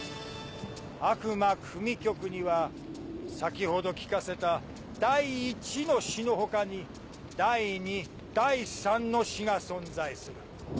『悪魔組曲』には先ほど聴かせた第一の詩の他に第二第三の詩が存在する。